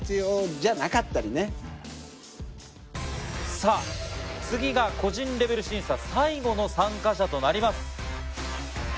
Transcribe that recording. さぁ次が個人レベル審査最後の参加者となります。